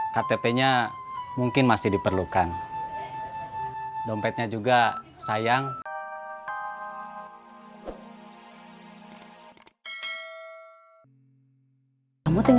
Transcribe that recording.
ktp nya mungkin masih diperlukan